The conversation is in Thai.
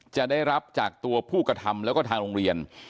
จะได้รับจากตัวผู้กระทำแล้วก็ทางโรงเรียน